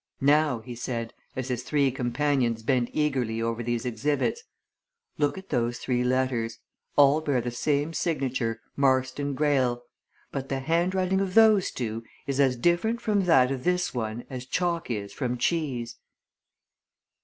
"Now!" he said, as his three companions bent eagerly over these exhibits, "Look at those three letters. All bear the same signature, Marston Greyle but the hand writing of those two is as different from that of this one as chalk is from cheese!"